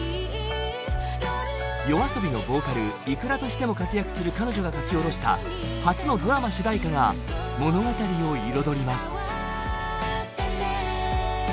ＹＯＡＳＯＢＩのボーカルｉｋｕｒａとしても活躍する彼女が書き下ろした初のドラマ主題歌が物語を彩ります